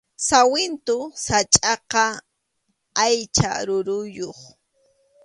Sawintu sachʼaqa aycha ruruyuq